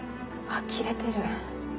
あきれてる。